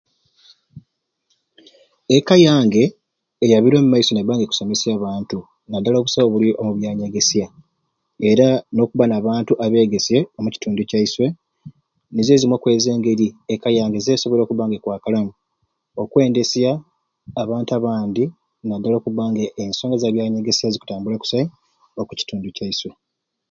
Ekka yange eyabire omumaiso nebanga ekusomesya abantu nadala obusai obuli omubyanyegeesya era nokubba nabantu abegeesye omukitundu kyaiswe nizo zimwei okwezo engeri ekka yange zesoboire okubba nga ekwakalamu okwendesya abantu abandi nadala okubba nga ensonga zabyanyegeesya zikutambula kusai okukitundu kyaiswe.